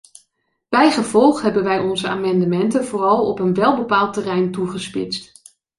Bijgevolg hebben wij onze amendementen vooral op een welbepaald terrein toegespitst.